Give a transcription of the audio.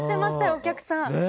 お客さん。